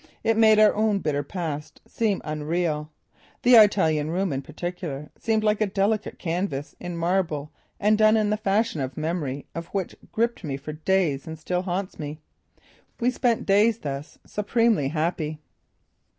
It made our own bitter past seem unreal. The Italian room, in particular, seemed like a delicate canvas in marble and done in a fashion the memory of which gripped me for days and still haunts me. We spent days thus; supremely happy.